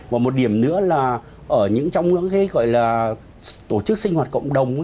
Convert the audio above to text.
và một điểm nữa là ở những trong những cái gọi là tổ chức sinh hoạt cộng đồng